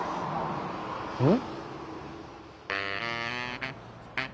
うん？